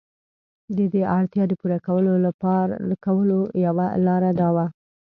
د دې اړتیا د پوره کولو یوه لار دا وه.